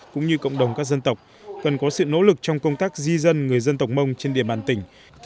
cũng như cộng đồng các dân tộc cần có sự nỗ lực trong công tác di dân người dân tộc mông trên địa bàn tỉnh